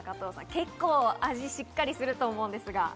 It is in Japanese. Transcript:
結構味しっかりすると思いますか？